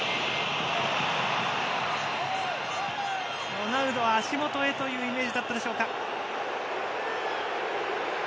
ロナウド、足元へというイメージだったでしょうか。